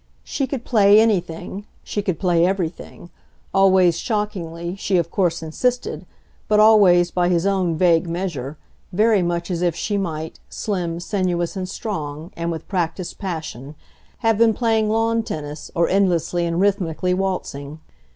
She could play anything, she could play everything always shockingly, she of course insisted, but always, by his own vague measure, very much as if she might, slim, sinuous and strong, and with practised passion, have been playing lawn tennis or endlessly and rhythmically waltzing.